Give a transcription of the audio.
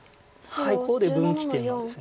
ここで分岐点なんです。